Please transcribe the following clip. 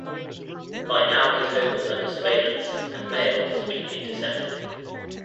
By now his home was under surveillance and mail was being intercepted.